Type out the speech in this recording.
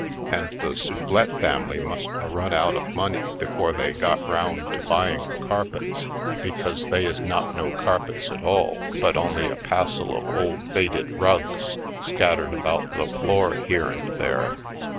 And the Sublette family must a run out of money before they got round to buying the carpets because they is not no carpets at all but only a passel of old faded rugs scattered about the floor here and there.